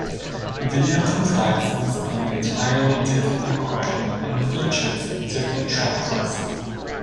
The video comprises an entirely different recording, and features a different track list.